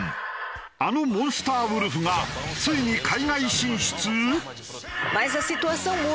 あのモンスターウルフがついに海外進出？